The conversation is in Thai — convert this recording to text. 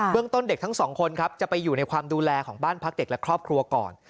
เรื่องต้นเด็กทั้งสองคนครับจะไปอยู่ในความดูแลของบ้านพักเด็กและครอบครัวก่อน